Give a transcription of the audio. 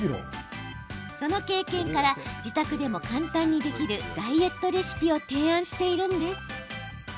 その経験から自宅でも簡単にできるダイエットレシピを提案しているんです。